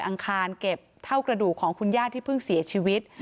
เขาไปทำพิธีลอยอังคารเก็บเท่ากระดูกของคุณย่าที่เพิ่งเสียชีวิต